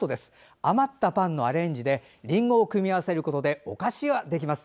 余ったパンのアレンジでりんごを組み合わせることでお菓子ができます。